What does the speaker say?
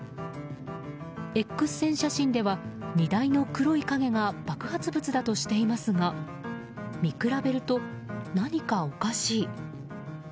Ｘ線写真では、荷台の黒い影が爆発物だとしていますが見比べると何かおかしい。